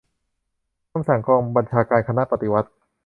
คำสั่งกองบัญชาการคณะปฏิวัติ